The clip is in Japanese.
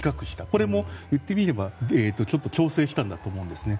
これも言ってみればちょっと調整したんだと思いますね。